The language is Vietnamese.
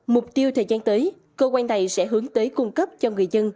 mục tiêu thời gian tới cơ quan này sẽ hướng tới cung cấp cho người dân